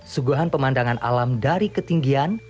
suguhan pemandangan alam dari ketinggian